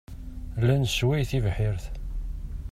La nessway tibḥirt.